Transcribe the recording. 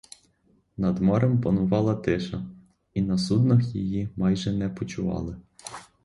Над морем панувала тиша, і на суднах її майже не почували.